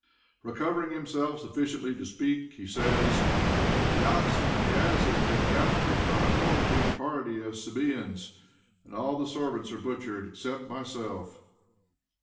Recovering himself sufficiently to speak, he says: "The oxen and the asses have been captured by a foraging party of Sabeans, and all the servants are butchered except myself."